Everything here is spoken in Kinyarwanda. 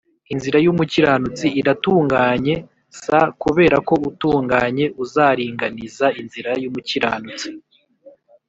Inzira y umukiranutsi iratunganye s Kubera ko utunganye uzaringaniza inzira y umukiranutsi